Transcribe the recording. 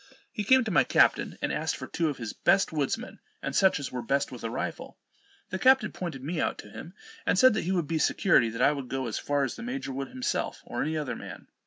He came to my captain, and asked for two of his best woods men, and such as were best with a rifle. The captain pointed me out to him, and said he would be security that I would go as far as the major would himself, or any other man.